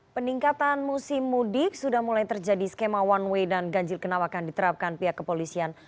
peningkatan musim mudik sudah mulai terjadi skema one way dan ganjil kenawakan diterapkan pihak kepolisian